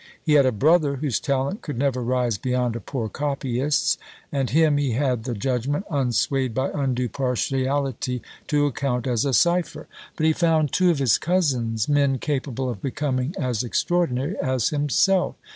He had a brother whose talent could never rise beyond a poor copyist's, and him he had the judgment, unswayed by undue partiality, to account as a cipher; but he found two of his cousins men capable of becoming as extraordinary as himself.